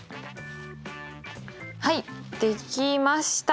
はいできました。